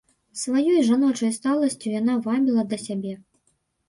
Сваёй жаночай сталасцю яна вабіла да сябе.